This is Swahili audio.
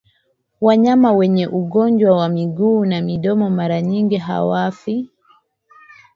Wanyama wenye ugonjwa wa miguu na mdomo mara nyingi hawafi